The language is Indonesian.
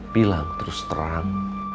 bilang terus terang